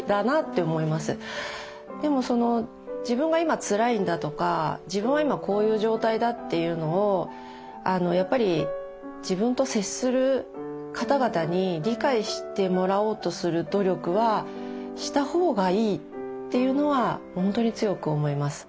でも自分が今つらいんだとか自分は今こういう状態だっていうのをやっぱり自分と接する方々に理解してもらおうとする努力はした方がいいっていうのは本当に強く思います。